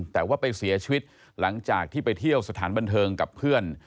แต่ว่าไปเสียชีวิตหลังจากที่ไปเที่ยวสถานบันเทิงกับเพื่อน